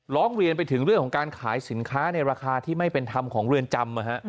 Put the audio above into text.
ร้องเรียนไปถึงเรื่องของการขายสินค้าในราคาที่ไม่เป็นธรรมของเรือนจำ